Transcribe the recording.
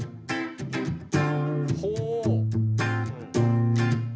ほう。